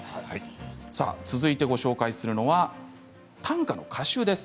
続いてご紹介するのは短歌の歌集です。